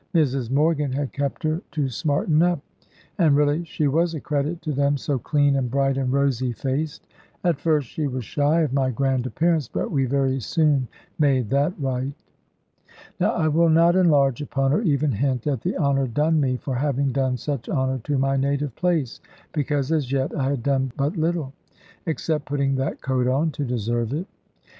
Mrs Morgan had kept her to smarten up, and really she was a credit to them, so clean, and bright, and rosy faced. At first she was shy of my grand appearance; but we very soon made that right. Now I will not enlarge upon or even hint at the honour done me for having done such honour to my native place, because as yet I had done but little, except putting that coat on, to deserve it.